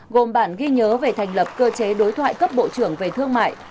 gồm bản ghi nhớ về thành lập cơ chế đối thoại cấp bộ trưởng về thương mại